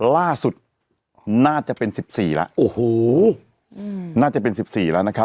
ล่าสุดน่าจะเป็น๑๔แล้วโอ้โหน่าจะเป็น๑๔แล้วนะครับ